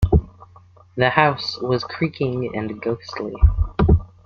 The house was creaking and ghostly.